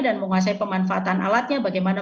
dan menguasai pemanfaatan alatnya bagaimana